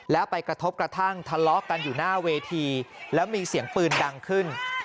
แล้วไปกระทบกระทั่งทะเลาะกันอยู่หน้าเวทีแล้วมีเสียงปืนดังขึ้น